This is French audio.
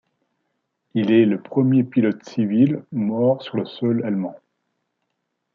Il est le premier pilote civil mort sur le sol allemand.